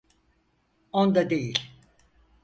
Onda değil.